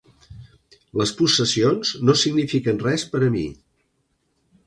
Les possessions no signifiquen res per a mi.